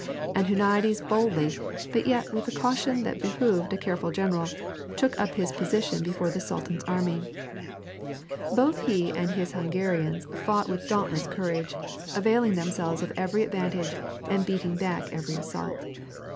And Huniades boldly, but yet with the caution that behoved a careful general, took up his position before the Sultan's army. Both he and his Hungarians fought with dauntless courage, availing themselves of every advantage and beating back every assault.